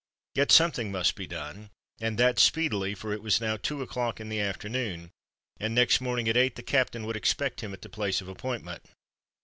Yet something must be done—and that speedily; for it was now two o'clock in the afternoon—and next morning at eight the Captain would expect him at the place of appointment.